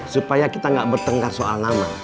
supaya kita gak bertengkar soal nama